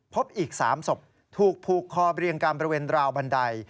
พบอีก๓ศพถูกผูกคอเรียงกันบริเวณราวบันได